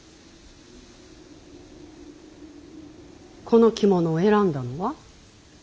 この着物を選んだのは？